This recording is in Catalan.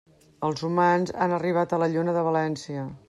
Els humans han arribat a la Lluna de València.